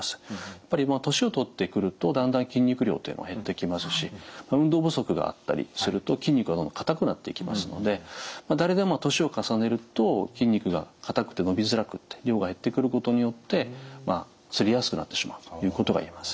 やっぱり年をとってくるとだんだん筋肉量っていうのは減ってきますし運動不足があったりすると筋肉が硬くなっていきますので誰でも年を重ねると筋肉が硬くて伸びづらく量が減ってくることによってつりやすくなってしまうということが言えます。